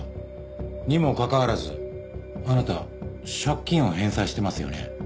にもかかわらずあなた借金を返済してますよね？